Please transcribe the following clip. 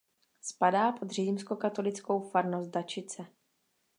Spadá pod římskokatolickou farnost Dačice.